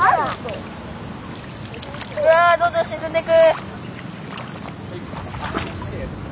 うわどんどん沈んでく。